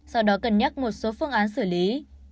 sau đó cân nhắc một số phương án xử lý